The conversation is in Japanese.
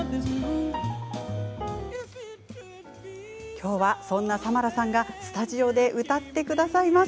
今日は、そんなサマラさんがスタジオで歌ってくださいます。